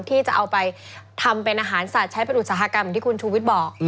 ที่จะเอาไปทำเป็นอาหารสัตว์ใช้เป็นอุตสาหกรรมอย่างที่คุณชูวิทย์บอก